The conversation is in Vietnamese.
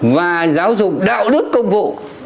và giáo dục đạo đức công vụ